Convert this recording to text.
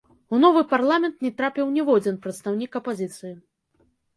У новы парламент не трапіў ніводзін прадстаўнік апазіцыі.